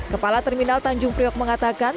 kepala terminal tanjung priok mengatakan